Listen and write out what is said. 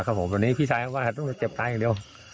ครับผมตอนนี้พี่ชายเขาว่าต้องเจ็บตายอย่างเดียว